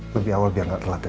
lebih awal biar nggak telat ya